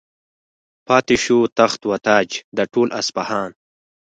پاتې شو تخت و تاج د ټول اصفهان.